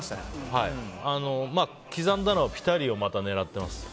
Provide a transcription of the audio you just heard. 刻んだのはピタリをまた狙ってます。